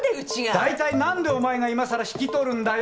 大体何でお前が今更引き取るんだよ！